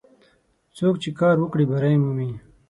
څوک چې کار وکړي، بری مومي.